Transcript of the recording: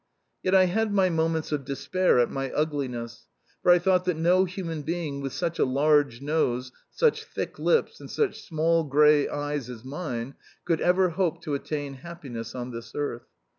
Yet I had my moments of despair at my ugliness, for I thought that no human being with such a large nose, such thick lips, and such small grey eyes as mine could ever hope to attain happiness on this earth.